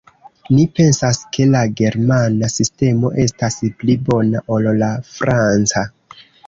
Ni pensas ke la germana sistemo estas pli bona ol la franca.